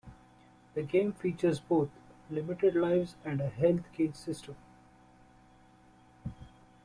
The game features both, limited lives and a health gauge system.